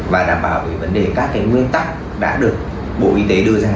và đảm bảo về vấn đề các cái nguyên tắc đã được bộ y tế đưa ra